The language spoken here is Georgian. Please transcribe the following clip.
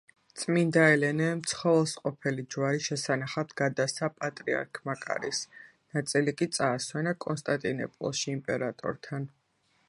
წმინდა ელენემ ცხოველსმყოფელი ჯვარი შესანახად გადასცა პატრიარქ მაკარის, ნაწილი კი წაასვენა კონსტანტინოპოლში, იმპერატორთან.